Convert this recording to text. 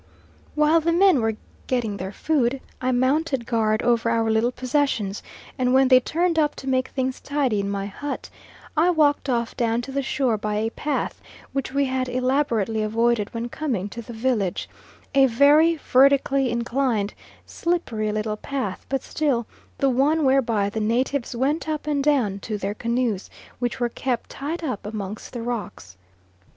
While the men were getting their food I mounted guard over our little possessions, and when they turned up to make things tidy in my hut, I walked off down to the shore by a path, which we had elaborately avoided when coming to the village, a very vertically inclined, slippery little path, but still the one whereby the natives went up and down to their canoes, which were kept tied up amongst the rocks.